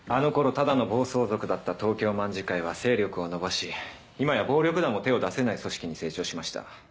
ただの暴走族だった東京卍會は勢力を伸ばし今や暴力団も手を出せない組織に成長しました。